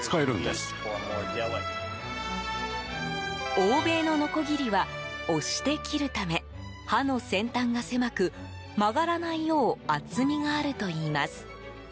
欧米ののこぎりは押して切るため刃の先端が狭く、曲がらないよう厚みがあるといいます。